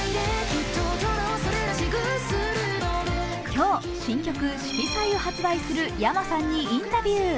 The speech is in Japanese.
今日、新曲「色彩」を発売するｙａｍａさんにインタビュー。